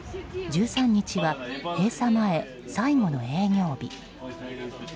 １３日は閉鎖前、最後の営業日。